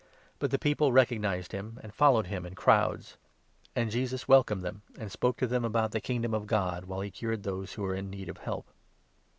But the people recognized him 1 1 and followed him in crowds ; and Jesus welcomed them and spoke to them about the Kingdom of God, while he cured those who were in need of help.